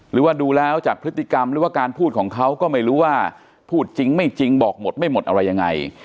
หรือว่าดูแล้วจากพฤติกรรมหรือว่าการพูดของเขาก็ไม่รู้ว่าพูดจริงไม่จริงบอกหมดไม่หมดอะไรยังไง